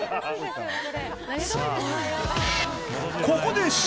［ここで］